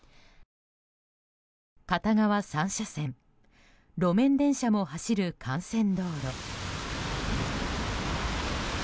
片側３車線路面電車も走る幹線道路。